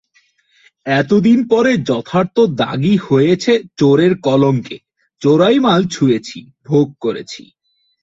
এতদিন পরে যথার্থ দাগি হয়েছি চোরের কলঙ্কে, চোরাই মাল ছুঁয়েছি, ভোগ করেছি।